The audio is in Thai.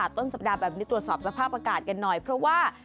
ต้นสัปดาห์แบบนี้ตรวจสอบสภาพอากาศกันหน่อยเพราะว่า